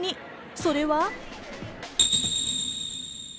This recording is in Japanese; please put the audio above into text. それは。